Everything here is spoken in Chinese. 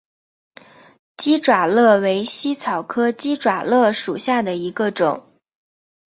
鸡爪簕为茜草科鸡爪簕属下的一个种。